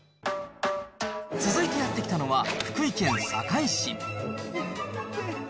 続いてやって来たのは、福井県坂井市。